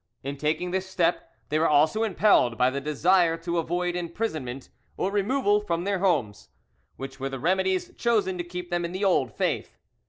In taking this step they were also impelled by the desire to avoid imprisonment or removal from their homes, which were the remedies chosen to keep them in the old faith.